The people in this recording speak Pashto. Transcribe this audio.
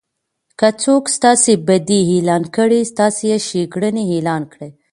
که څوک ستاسي بدي اعلان کړي؛ تاسي ئې ښېګړني اعلان کړئ!